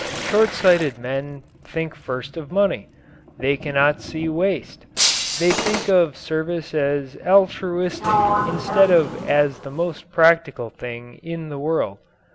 Short sighted men think first of money. They cannot see waste. They think of service as altruistic instead of as the most practical thing in the world.